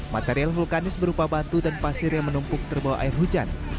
material vulkanis berupa batu dan pasir yang menumpuk terbawa air hujan